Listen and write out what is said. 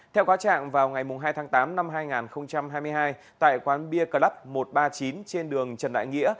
theo cáo trạng vào ngày hai tháng tám năm hai nghìn hai mươi hai tại quán bia club một trăm ba mươi chín trên đường trần đại nghĩa